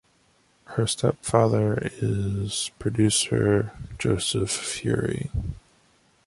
Her stepfather is producer Joseph Feury.